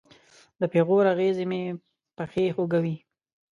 د پیغور اغزې مې پښې خوږوي